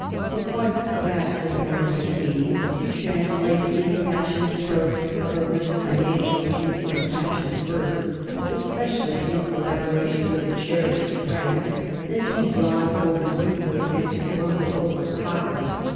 It was vastly more entertaining to translate the impassioned prose of Aristaenetus into impassioned verse, especially in collaboration with a cherished friend, than to yawn over Euclid and to grumble over Cocker.